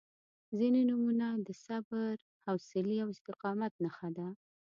• ځینې نومونه د صبر، حوصلې او استقامت نښه ده.